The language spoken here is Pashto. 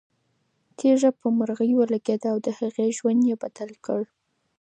تیږه په مرغۍ ولګېده او د هغې ژوند یې بدل کړ.